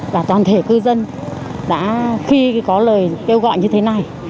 và toàn thể cư dân đã khi có lời kêu gọi như thế này